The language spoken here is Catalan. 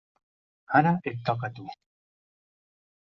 Ara et toca a tu.